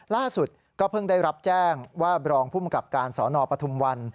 ล่าสุดก็เพิ่งได้รับแจ้งว่าบรองภูมิกับการสนปทุมวัน